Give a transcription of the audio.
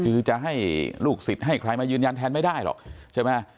คือจะให้ลูกศิษย์ให้ใครมายืนยันแทนไม่ได้หรอกใช่ไหม